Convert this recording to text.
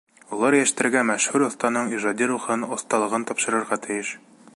Улар йәштәргә мәшһүр оҫтаның ижади рухын, оҫталығын тапшырырға тейеш.